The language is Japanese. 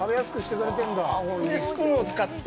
スプーンを使って。